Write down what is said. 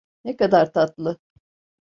Ne kadar tatlı!